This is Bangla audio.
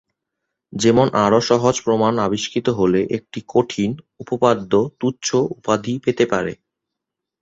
যেমন আরো সহজ প্রমাণ আবিষ্কৃত হলে একটি "কঠিন" উপপাদ্য "তুচ্ছ" উপাধি পেতে পারে।